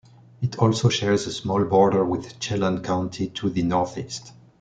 It also shares a small border with Chelan County to the northeast.